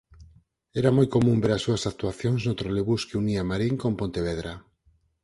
Era moi común ver as súas actuacións no trolebús que unía Marín con Pontevedra.